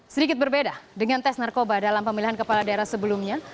sedikit berbeda dengan tes narkoba dalam pemilihan kepala daerah sebelumnya